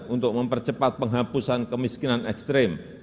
untuk mempercepat penghapusan kemiskinan ekstrim